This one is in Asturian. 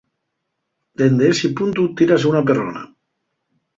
Dende esi puntu tírase una perrona.